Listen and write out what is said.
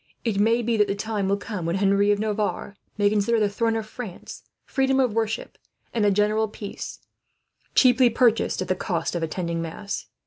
It may be that the time will come when Henry of Navarre may consider the throne of France, freedom of worship, and a general peace, cheaply purchased at the cost of attending mass.